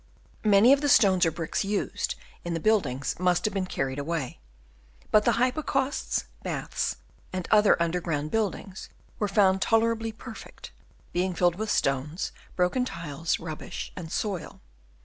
Many of the stones or bricks used in the buildings must have been carried away ; but the hypocausts, baths, and other underground buildings were found tolerably perfect, being filled with stones, broken tiles, rubbish and soil.